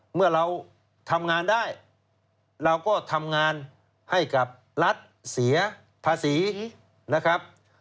เมื่อเราทำงานได้เราก็ทำงานให้กับรัฐเสียภาษีนะครับ